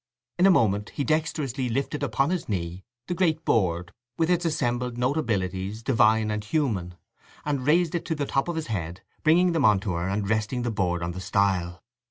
In a moment he dexterously lifted upon his knee the great board with its assembled notabilities divine and human, and raised it to the top of his head, bringing them on to her and resting the board on the stile.